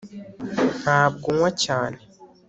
ntabwo nywa cyane